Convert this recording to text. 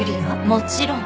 もちろん。